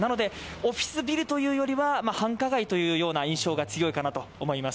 オフィスビルというよりは繁華街という印象が強いかなと思います。